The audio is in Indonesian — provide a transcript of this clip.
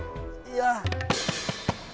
kaki kamu bisa keinjak